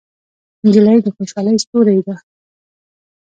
نجلۍ د خوشحالۍ ستورې ده.